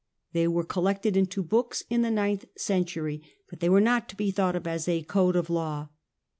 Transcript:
They were collected into books in the ninth century, but they are not to be thought of as a code of law.